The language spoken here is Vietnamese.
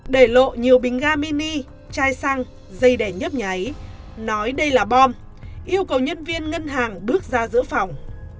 để lộ nhiều bình ga mini chai xăng dây đẻ nhấp nháy nói đây là bom yêu cầu nhân viên ngân hàng bước ra giữa phòng